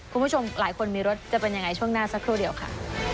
คุณผู้ชมหลายคนมีรถจะเป็นยังไงช่วงหน้าสักครู่เดียวค่ะ